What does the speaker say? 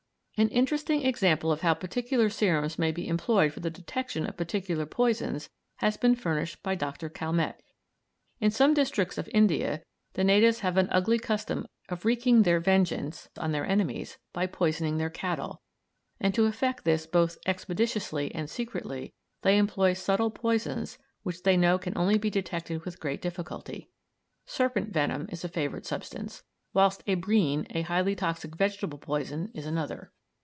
An interesting example of how particular serums may be employed for the detection of particular poisons has been furnished by Dr. Calmette. In some districts of India the natives have an ugly custom of wreaking their vengeance on their enemies by poisoning their cattle, and to effect this both expeditiously and secretly they employ subtle poisons which they know can only be detected with great difficulty. Serpent venom is a favourite substance, whilst abrine, a highly toxic vegetable poison, is another.